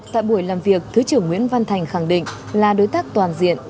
tại buổi làm việc thứ trưởng nguyễn văn thành khẳng định là đối tác toàn diện